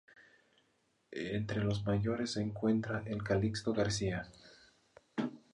Entre los mayores se encuentra el Calixto García.